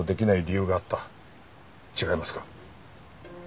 違いますか？